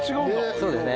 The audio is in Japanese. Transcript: そうですね。